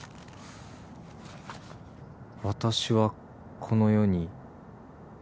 「私は」「この世」「に」